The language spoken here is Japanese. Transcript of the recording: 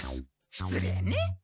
しつれいね。